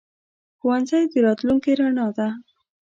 ښوونځی د راتلونکي رڼا ده.